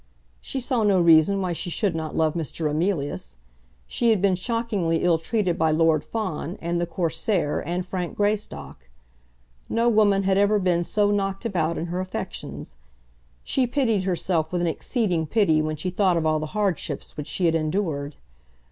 She saw no reason why she should not love Mr. Emilius. She had been shockingly ill treated by Lord Fawn, and the Corsair, and Frank Greystock. No woman had ever been so knocked about in her affections. She pitied herself with an exceeding pity when she thought of all the hardships which she had endured.